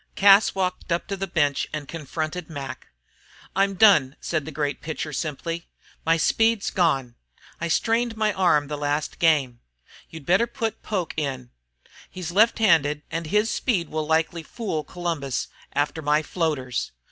Cas walked up to the bench and confronted Mac. "I'm done," said the great pitcher, simply. "My speed's gone. I strained my arm the last game. You'd better put Poke in. He's left handed, and his speed will likely fool Columbus after my floaters.